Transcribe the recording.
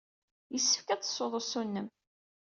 Yessefk ad d-tessud usu-nnem.